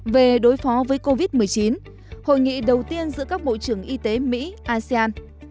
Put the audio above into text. về đối phó với covid một mươi chín hội nghị đầu tiên giữa các bộ trưởng y tế mỹ asean